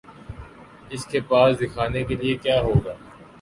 اس کے پاس دکھانے کے لیے کیا ہو گا؟